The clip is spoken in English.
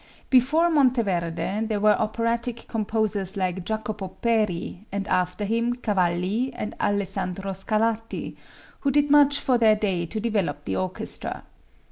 Before Monteverde there were operatic composers like Jacopo Peri, and after him Cavalli and Alessandro Scarlatti, who did much for their day to develop the orchestra.